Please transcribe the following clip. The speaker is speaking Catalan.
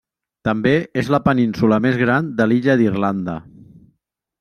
També és la península més gran de l'illa d'Irlanda.